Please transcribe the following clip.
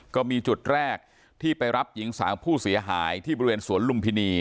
ก็มีจุดแรกที่ไปรับหญิงสาวผู้เสียหายที่บริเวณสวนลุมพินี